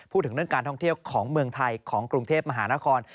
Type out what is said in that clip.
พูดถึงเรื่องการท่องเที่ยวของเมืองไทยของกรุงเทพมหานคร